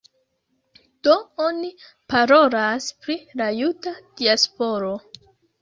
Do oni parolas pri la juda diasporo.